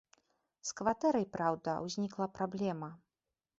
З кватэрай, праўда, узнікла праблема.